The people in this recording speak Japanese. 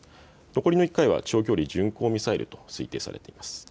残りの１回は長距離巡航ミサイルと推定されています。